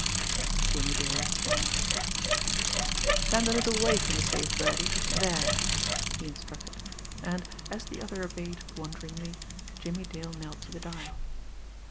Jimmie Dale smiled. "Stand a little away from the safe, Birdie there," he instructed. And, as the other obeyed wonderingly, Jimmie Dale knelt to the dial.